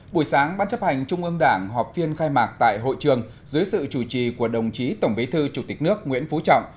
buổi sáng ban chấp hành trung ương đảng họp phiên khai mạc tại hội trường dưới sự chủ trì của đồng chí tổng bí thư chủ tịch nước nguyễn phú trọng